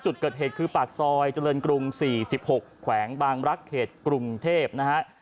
จุดเกิดเหตุคือปากซอยเจริญกรุง๔๖แขวงบางรักเขตกรุงเทพนะฮะ